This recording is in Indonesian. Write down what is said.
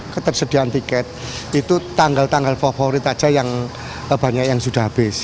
ketersediaan tiket itu tanggal tanggal favorit aja yang banyak yang sudah habis